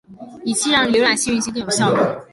以期让浏览器运行更有效率。